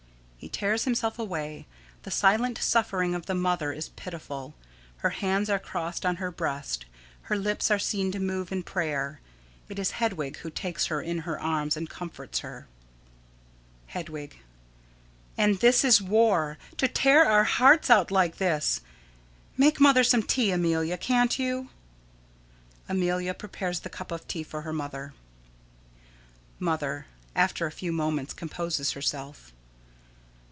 [_He tears himself away. The silent suffering of the mother is pitiful. Her hands are crossed on her breast, her lips are seen to move in prayer. It is Hedwig who takes her in her arms and comforts her._] Hedwig: And this is war to tear our hearts out like this! Make mother some tea, Amelia, can't you? [Amelia prepares the cup of tea for her mother.] Mother: [_After a few moments composes herself.